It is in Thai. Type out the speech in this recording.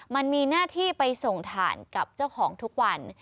มันมีหน้าที่ไปส่งฐานกับเจ้าของทุกวัน